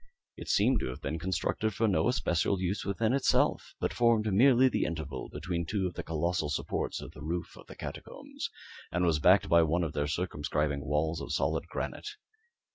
It seemed to have been constructed for no especial use within itself, but formed merely the interval between two of the colossal supports of the roof of the catacombs, and was backed by one of their circumscribing walls of solid granite.